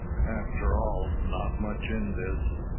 After all, not much in this.